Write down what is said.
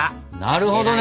なるほどね！